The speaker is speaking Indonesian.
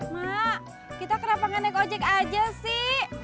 mak kita kenapa gak naik ojek aja sih